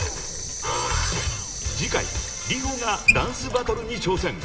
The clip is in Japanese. ［次回Ｒｉｈｏがダンスバトルに挑戦］